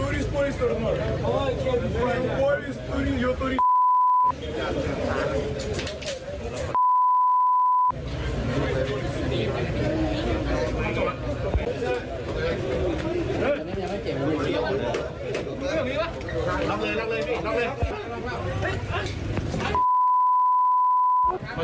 เดี๋ยวโลกกว่านั้นเดี๋ยวมันพูดออกมาเลยนะ